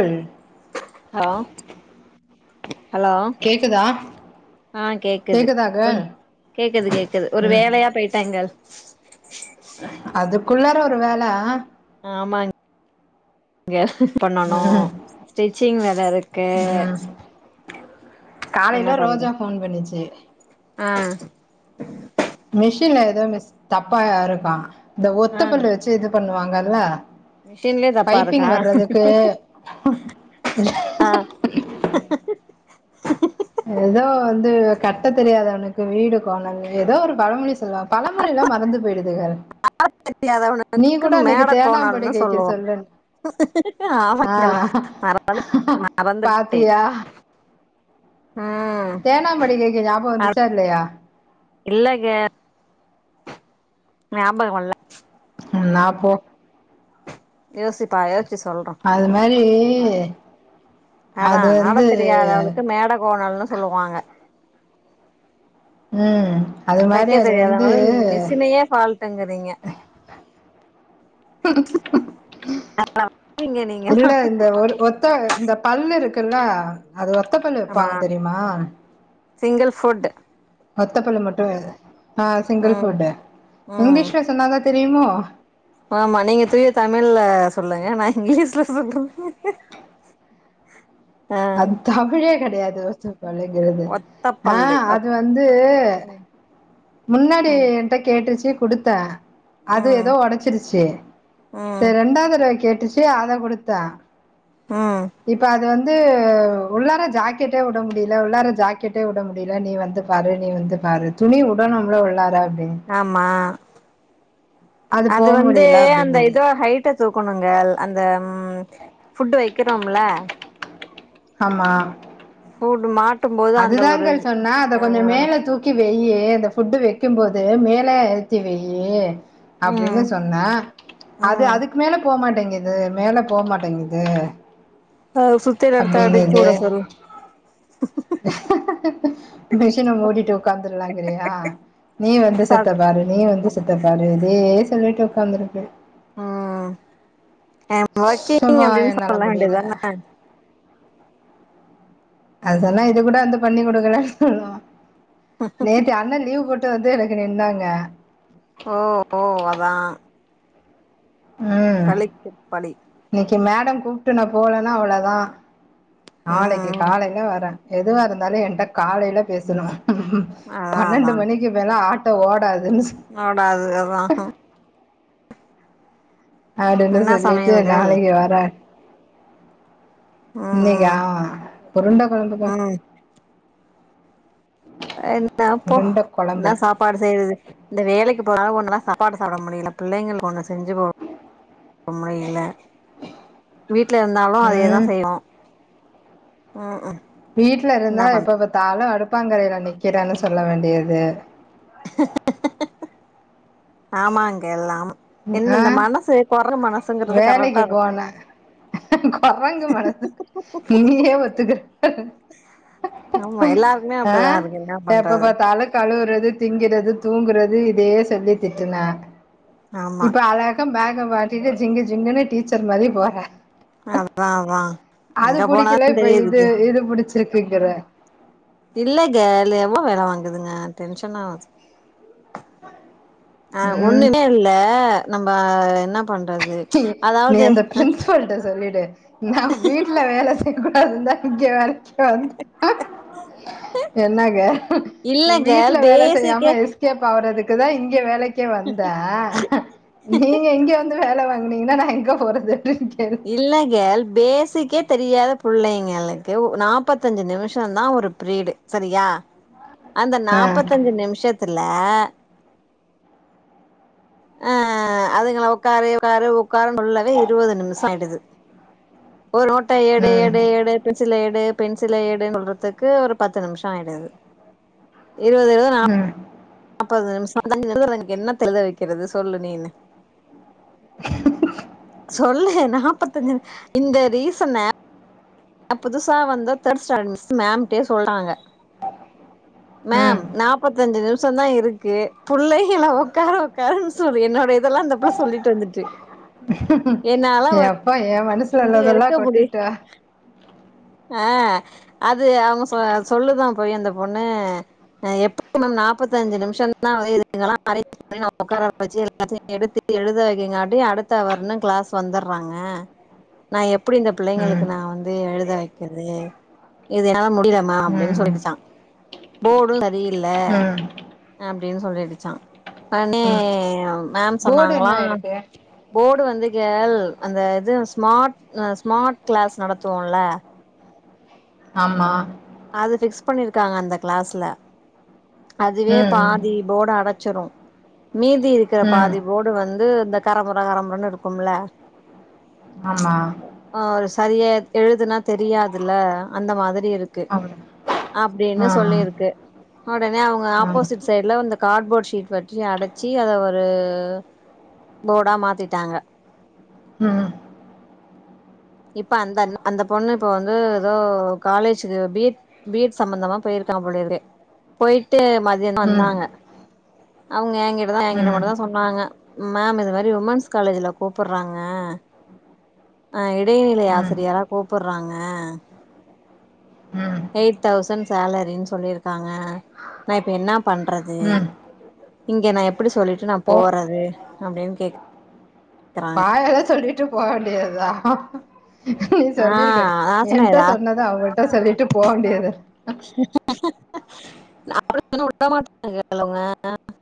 அல் hello hello கேக்குதா ஆ கேக்குது கேக்குதா கேள் கொஞ் கேக்குது கேக்குது ஒரு ம் வேலையா போயிட்டேங்கள் அதுக்குள்ளார ஒரு வேல ஆ ஆமாங்க ஹெல்ப் பண்ணனு ம் ஸ்டிச்சிங் நெறையா இருக்கு என்ன காலேல பண்ற ரோஜா ஃபோன் பண்ணுச்சி ஆ மிஷின்ல ஏதோ மிஸ் தப்பா இருக்காம் இந்த ஆ ஒத்தப்பல் வச்சு இது பண்ணுவாங்கல்ல மிஷின்லயே தப்பா பைப்பிங் இருக்கா வர்றதுக்கு ஆ ஏதோ வந்து கட்ட தெரியாத வனுக்கு வீடு கோணல் ஏதோ ஒரு பழமொழி சொல்லுவா பழ மொழில்லாம் மறந்து போயிடுது கள் ஆட தெரியாதவனுக்கு மேட கோணல்னு தேனாம்படுக்கைக்கு சொல்லுவோ சொல்லுன் ஆமா ஆ கள் மறந்துட்டேன் மறந்துட்டேன் பாத்தியா ம் தேனாம்படி கேக்குது ஞாபகம் அ வந்துச்சா இல்லயா இல்லங்க ஞாபகம் வர்ல என்னா போ யோசி தா யோசுச்சு சொல்றோ அது மாரி அதா அது ஆட வந்து தெரியாதவளுக்கு மேட கோணல்ன்னு சொல்லுவாங்க உம் அது மாரி தைக்க அது வந்து தெரியாதவங்க மிஷினையே ஃபால்ட்டுங்கிறீங்க நீங்க நீங்கல்லா திருட வந்தவொர் ஒரு ஒத்த இந்த பல்லு இருக்குல்ல அது ஒத்த பல்லு வெப்பாங்க தெரிமா சிங்கள் ஃபுட் ஒத்த பல்லு மட்டு வேற ஆ சிங்கிள் ம் ஃபுட்டு ம் இங்கிலீஷ்ல சொன்னாதான் தெரியுமோ ஆமா நீங்க தூய தமிழ்ல சொல்லுங்க நா இங்கிலீஷ்ல சொல்றே ஆ அது தமிழே கெடையாது பஸ்ட்டு பழகிறது ஆ ஒத்தப்பல்லு அது வந்து ம் முன்னாடி ம் என்ட்ட கேட்டுச்சு குடுத்தே அது ம் ஏதோ ஒடசசிருச்சு ம் சரி ரெண்டாவது தடவ கேட்டுச்சு அத குடுத்தே ம் இப்ப அது வந்து வந்து உள்ளார ஜாக்கெட்டே வுட முடில உள்ளார ஜாக்கெட்டே வுட முடில நீ வந்து பாரு நீ வந்து பாரு துணி உடனும்ல உள்ளாரா அப்டின் ஆம்மா போ அது வந்து முடியல அந்த அப்டிங்குது இத ஹைட் ட்ட தூக்கணுங்கள் அந்த ஃபுட்ட வெக்கீறோம்ல ஆமா ஃபுட் மாட் அதுதாங்கெள் சொன்னே அத கொஞ்சோ மேல தூக்கி வெய்யி அந்த ஃபுட்டு வெக்கும் போது மேலே ஏத்தி வெய்யி ம் அப்டின்னு சொன்னா அது ம் அதுக்கு மேல போ மாட்டேங்கித் இது மேலே போ மாட்டேங்கிது போ சுத்தியல எடுத்து அடிச்சு வுட சொல்லு மிஷின மூடிட்டு உட்காந்துடலாங்கிறியா நீ வந்து ச செத்த பாரு நீ வந்து செத்த பாரு இதே சொல்லிட்டு உட்காந்துருக்கு ம் ஐயம் ஒர்க்கிங் சும்மா அப்டின்னு என்னால சொல்ல முடியல வேண்டியதுதான அதெல்லா இது கூட வந்து பண்ணி குடுக்கலன்னு சொல்லு நேத்து அண்ணே லீவ் போட் டு வந்து எனக்கு நின்னாங்க ஓ ஓ அதா ம் பழிக்கு பழி இன்னைக்கி மேடம் கூப்ட்டு போலன்னா அவ்ளோதா நாளக்கீ ம் ம் காலைல வரே எதுவாருந்தாலு என்ட்ட காலைல பேசணுமா அதா அதா பன்னெண்டு மணிக்கு மேலா ஆட்டோ ஓடாதுன்னு ஓடாது அதா அப்டின்னு என்ன சொல்லிட்டு சமையல்கள் நாளைக்கு வரே இன்னைக்கா ம் ம் உருண்ட கொழம்புங்க ம் என்னப்போ உருண்ட கொழம்பு என்ன சாப் பாடு செய்யறது இந்த வேலைக்கி போனாலு ஒண்ணுல சாப்பாடு சாப்பட முடியல புள்ளைளுக்கு ஒண்ணு செஞ்சு போம் முடில்ல வீட்டுல இருந்தாலு அதையே தா ம் செய்வோ ம்ஹூம் வீட்டுல இருந்தா எப்ப பாத்தாலு அடுப்பாங்கரையில நிக்கிறேன்னு சொல்ல வேண்டியது ஆமாங்க எல்லாம் என்ன ஆ இந்த மனசு கொற மனசு வேலைக்கு போன கொரங்கு மனசு நீயே ஒத்துக்கற ஆமா எல்லாருக்குமே ஆ அப்டிதா இருக்கு என்ன எப்ப பண்றது பாத்தாலு கழுவுறது திங்கிறது தூங்குறது இதையே சொல்லி திட்டுனா ஆமா இப்ப அழாக பேக்க மாட்டிட்டு ஜிங்கு ஜிங்குன்னு டீச்சர் மாரி போற அதா அதா அது அங்க புடிக்கல போனாதா இப்ப இது தெரியுது இது புடிச்சிருக்குங்கிற இல்லங்க இல்ல எவ்ளோ வேல வாங்குதுங்க டென்ஷனாகுது அ ம் ஒண்ணு இல்ல நம்ம என்ன பண்றது நீ நீ அதாவது அந்த பிரின்சிபல்ட்ட சொல்லிட்டு நா வீட்டுல வேல செய் கூடாதுன்னுதா இங்க வேல க்கு வந்த என்னங்க இல்லங்க வீட்டுல வேல செய்யாம பேசிக்கே எஸ் கேப்பாகறதுக்குதா இங்க வேலைக்கே வந்த நீங்க இங்க வந்து வேல வாங்க னீங்கன்னா நா எங்க போறது அப்டின் கே இல்லங்க பேஸிக்கே தெரியாத புள்ளைங்களுக்கு நாற்பத்தஞ்சி நிமிஷந்தான் ஒரு ப்ரீடு சரியா [inaudible] அந்த ஆ நாப்பத்தஞ்சு நிமிஷத்துல அ அதுகள உக்காரு உக்காரு உக்காரு சொல்லவே இருவது நிமிஷோ ஆயிடுது ஒரு நோட்டை எடு ம் எடு எடு பென்சில எடு பென்சில எடுன்னு சொல்றதுக்கு ஒரு பத்து நிமிஷ ஆயிடுது இருவது இருவது நாப் ம் பது நிமிஷோ [unintelligible] என்னத்த எழுத வெக்கறது சொல்லு நீனு சொல்லு நாற்பத்தஞ்ச இந்த ரீசன புதுசா வந்த தேர்ட் ஸ்டாண்டர்ட் மிஸ் மேம்ட்டேயே சொல்றாங்க மேம் ம் நாப்பத்தஞ்சு நிமிஷ தா இருக்கு புள்ளைகள உக்காரு உக்காருன்னு சொல்லி என்னோட இதெல்லா இந்த புள்ள சொல்லிட்டு வந்துட்டு என்னால யப்பா என் மனசுல வந்து உள்ளதெல்லா எடுக்க முடிய கொட்டிட்டே ஆ அது அவங்க சொ சொல்லுதா போய் அந்த பொண்ணு அ எப்டி மேம் நாப்பத்தஅஞ்சு நிமிஷம்தா [unintelligible] சரின்னு உக்கார வச்சு எல்லாத்தையு எடுத்து எழுத வைக்கங்காட்டி அடுத்த அவர்ன்னு கிளாஸ் வந்துட்றாங்க [inaudible] நா எப்டி இந்த ம் பிள்ளைங்களுக்கு நா வந்து எழுத வெக்கிறது இது என்னால முடில மேம் அப்டின்னு ம் சொல்லிடுச்சா போர்டு சரியில்ல ம் அப்டின்னு சொல்லிடுச்சா உடனே ம் மேம் போர்டு சொன்னாங்களா என்ன இருக்கு போர்டு வந்து கேள் அந்த இது ஸ்மார்ட் அ ஸ்மார்ட் கிளாஸ் நடத்துவோல்ல! ஆமா! அது ஃபிக்ஸ் பண்ணிருக்காங்க அந்த கிளாஸ்ல அதுவே ம் பாதி போட அடச்சிரு மீதி இருக்கற ம் ம் பாதி போர்டு வந்து இந்த கரபுற கரபுறன்னு இருக்கும்ல! ஆமா! ஆ சரியா எழுதுனா தெரியாதுல்ல அந்த மாதிரி இருக்கு! அவ்வளோதான் அப்டீன்னு ஆ சொல்லீருக்கு! ஒடனே அவுங்க ஆமாம் ஆப்போசிட் சைட்ல இந்த கார்ட்போர்ட் ஷீட் வச்சி அடச்சி அத ஒரு போடா மாத்தீட்டாங்க! ம்.. இப்ப அந்த அந்த பொண்ணு இப்ப வந்து எதோ காலேஜுக்கு பீட் வீட் சம்பந்தமா போயிருக்கா போலயிருக்கு. போய்ட்டு ம மதியமா ம் வந்தாங்க. அவங்க ஏங்கிட்ட தா ஏங்கிட்ட ம் மட்டுந்தா சொன்னாங்க. மேம் இது மாரி உமென்ஸ் காலேஜ்ல கூப்பட்றாங்க அ இடைநிலை ம் ஆசிரியரா கூப்பட்றாங்க ம் எயிட் தௌசண்ட் சேலரின் சொல்லியிருக்காங்க. நா இப்ப என்னாப் பண்றது ம் இங்க நா எப்படி சொல்லீட்டு நா போ போறது? அப்டின்னு கேக்.. அதெல்லா சொல்லீட்டு போக வேண்டியதா! நீ ஆ சொல்லிருக்க அதா சொன்ன என்ட்ட விட சொன்னது அவகிட்ட சொல்லீட்டு போ வேண்டியது [inaudible]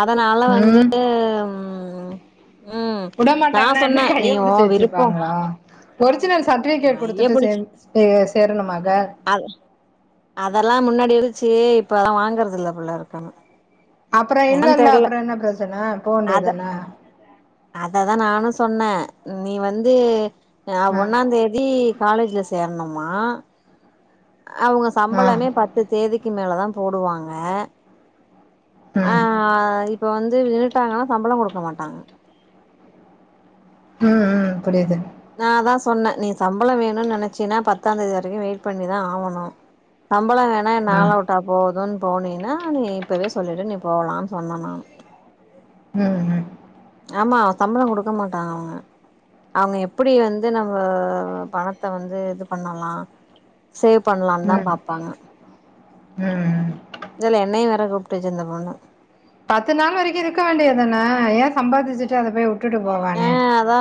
அதனால ம் வந்தும் ம் உட நா மாட்டாங்கன்னா என்ன சொன்ன நீ கைய ஓ புடிச்சு விருப்போ வெச்சிருப்பாங்களா? ஒரிஜினல் சர்ட்டிபிகேட் மைய குடுத்துட்டு சே சேரணுமாக? அது அதல்லா முன்னாடி இருந்துச்சி இப்ப எல்லா வாங்கறது இல்ல போல இருக்குன்னு அப்பறோ என்னன்னு இல்லல்ல தெர்ல அப்பறோ என்ன பிரச்சன போ வேண்டியது அத தான அததா நானு சொன்னே நீ வந்து அ ஆ ஒண்ணாந் தேதி காலேஜ்ல சேரணுமா அவங்க ஆ சம்பளமே பத்து தேதிக்கு மேலதா போடுவாங்க! ஆ. ம் இப்ப வந்து நின்னுட்டாங்கன்னா சம்பளோ குடுக்க மாட்டாங்க! ம் ம் புரிது நா தா சொன்ன நீ சம்பளோ வேணுன் நெனச்சீனா பத்தாந் தேதி வரைக்கு வெயிட் பண்ணிதா ஆவணு சம்பளோ வேணா என்ன ஆள ம் உட்டா போதுன் போனீனா நீ இப்பவே சொல்லீடு, நீ போலான்னு சொன்ன நானு ம் ம் ஆமா சம்பளோ குடுக்க மாட்டாங்க அவங்க! அவங்க எப்படி வந்து நம்ப பணத்த வந்து இது பண்ணலா சேவ் பண்லான் தா பாப்பாங்க! ம் ம் இதுல என்னையு வேற கூப்டுச்சு இந்த பொண்ணு பத்து நாள் வரைக்கு இருக்க வேண்டியது தான ஏ சம்பாதிச்சிட்டு அத போயி உட்டுட்டு ஆ போவானே அதா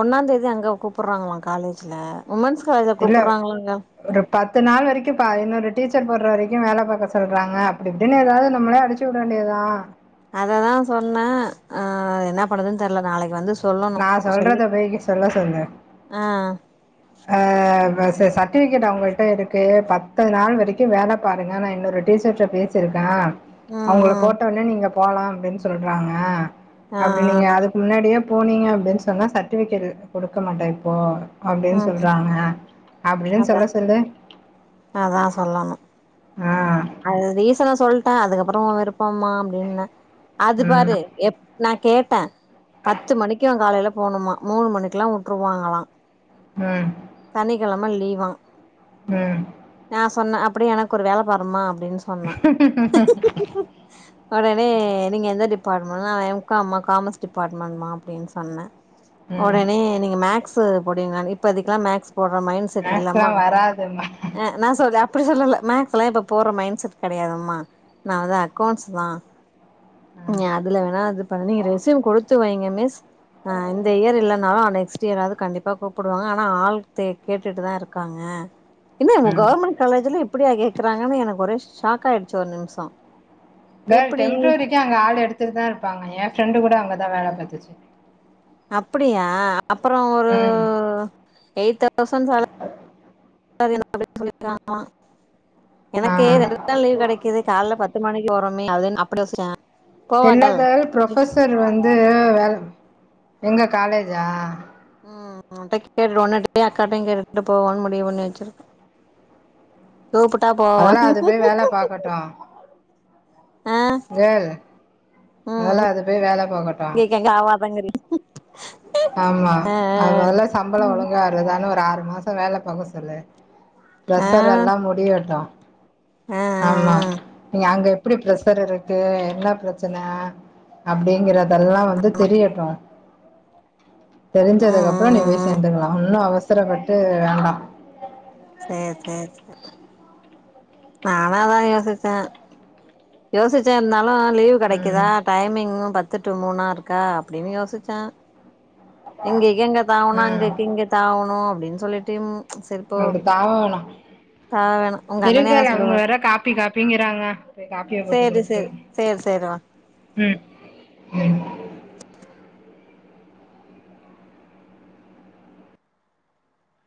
ஒன்னாந்தேதி அங்க கூப்பர்றாங்களா காலேஜ்ல உமன்ஸ் காலேஜ்ல இல்ல கூப்பர்றாங்களாங்க ஒரு பத்து நாள் வரைக்கு பா இன்னொரு டீச்சர் போட்ற வரைக்கு வேல பாக்க சொல்றாங்க அப்டி இப்டின்னு எதாவது நம்மளே அடிச் சூட வேண்டியதா அததா சொன்ன அ என்ன பண்ணுதுன்னு தெர்ல நாளைக்கு வந்து சொல்லணு நா சொல்றத சொல்லிப்பே [unintelligible] சொல்ல சொல்லு ஆ அ சர்ட்டிஃபிகேட் அவங்க கிட்ட இருக்கு பத்து நாள் வரைக்கும் வேலை பாருங்க நா இன்னொரு டீச்சர்ட பேசியிருக்கேன் ம் அவங்கள ம் போட்ட உட்னே நீங்க போலாம் அப்படின்னு சொல்றாங்க ஆ ஆ அப்படி நீங்க அதுக்கு முன்னாடியே போனீங்க அப்படின்னு சொன்னா சர்ட்டிஃபிகேட் கொடுக்க மாட்டே இப்போ அப்படின்னு ம் ம் சொல்றாங்க அப்படின்னு அதா சொல்ல சொல்லு அதா சொல்லணும் அ அது ரீசன சொல்ட்டேன் அதுக்கப்புறம் உன் விருப்பம்மா அப்படின்னே அது ம் பாரு எப் நா கேட்டேன் பத்து மணிக்கு காலைல போணுமா மூணு மணிக்கெல்லாம் உட்டுருவாங்களா ம் சனிக்கிழமை லீவான் ம் நா சொன்னே அப்படியே எனக்கு ஒரு வேலை பாருமா அப்படின்னு சொன்னே உடனே நீங்க எந்த டிபார்ட்மெண்ட்னா நா எம் காம் மா காமர்ஸ் டிபார்ட்மெண்ட்மா அப்படின்னு சொன்னேன் ம் உடனே நீங்க மேக்ஸ் போடுவீங்களா ன்னு இப்போதைக்கெல்லாம் மேக்ஸ் போட்ற மைண்ட் செட் மேக்ஸ்லா இல்லம்மா வராதும்மா அ நா சொல்ல அப்படி சொல்லல்ல மேக்ஸ்லாம் இப்போ போட்ற மைண்ட் செட் கிடையாதுமா நா வந்து அக்கௌண்ட்ஸ் மா நீ ம் அதுல வேணா அது பண்ணி ரெஸ்யூம் குடுத்து வைங்க மிஸ் அ இந்த இயர் இல்லனா ஆ நெக்ஸ்ட் இயராவது கண்டிப்பா கூப்பிடுவாங்க ஆனா ஆள் தே கேட்டுட்டு தான் இருக்காங்க என்ன இங்க ம் கவர்மெண்ட் காலேஜ்ல இப்படியா கேக்குறாங்கன்னு எனக்கு ஒரே ஷாக் ஆயிடுச்சு ஒரு நிமிஷம் வேலை டெம்ப்ரரிக்கு அங்க ஆள் எடுத்துட்டு தான் இருப்பாங்க என் ஃப்ரெண்டு கூட அங்கதான் வேலை பாத்துச்சு அப்படியா அப்புறம் ஒரு ம் எயிட் தௌசண்ட் சேலரி அப்படின்னு சொல்லியிருக்காங்களாம் எனக்கே ஆ ரெண்டு நாள் லீவ் கிடைக்குது காலைல பத்து மணிக்கு போறோமே அது அப்படி யோசிச்சேன் [unintelligible] ப்ரொபசர் வந்து வேற எங்க காலேஜா உம் ம் டெக் கேட் ஒன்னு எடுத்தேன் அக்காட்டையும் கேட்டுட்டு போவோம்ன்னு முடிவு பண்ணி வச்சிருக்கேன் தோவப்பட்டா போ மொதெல்ல அது போயி வேலை பாக்கட்டும் ஆ கேளு முதல அது போயி வேலை பாக்கட்டும் இது ஆவாதங்கறி ஆமா ஆ அது முதல்ல சம்பளம் ஒழுங்கா வருதான்னு ஒரு ஆறு மாசம் வேலை பாக்க சொல்லு ஆ ஆ பிரசர் எல்லாம் முடியட்டும் ஆ ஆ ஆமா நாங்க எப் படி பிரஷர் இருக்கு என்ன பிரச்சனை அப்படிங்கறதெல்லாம் வந்து தெரியட்டும் ஆ ஆ ஆ தெரிஞ்சதுக்கு அப்புறம் நீ போயி சேந்துக்கலாம் ஒன்னும் அவசரப்பட்டு வேண்டாம் சேர் சேர் சே நானு அதான் யோசிச்சேன் யோசிச்சேன் இருந்தாலும் லீவ் ம் கிடைக்குதா டைமிங்கும் பத்து டு மூணா இருக்கா அப்படின்னு யோசிச்சேன் எங்க எங்க தாவணும் ம் அங்கக்கு இங்க தாவணும் அப்படின்னு சொல்லிட்டிம் சேர்ப்போ அப்டி தாவ வேணா த வேணும் உங்க அண்ணனே இருக்கு ஹாஸ் அவங்க வேற காப்பி காப்பிங்கிறாங்க போய் காப்பியா போட்டு சேரி குடுத்துட்டுவரே சேரி சேரி சேரிமா ம் ம்